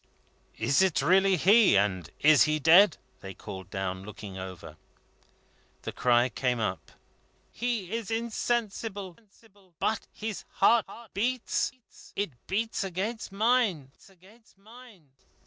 "Is it really he, and is he dead?" they called down, looking over. The cry came up: "He is insensible; but his heart beats. It beats against mine."